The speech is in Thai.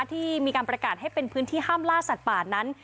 ที่มีการประกาศให้เป็นพื้นที่ห้ามล่าสัตว์ป่านั้น